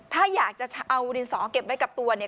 ถ้าอยากจะเอาดินสอเก็บไว้กับตัวเนี่ย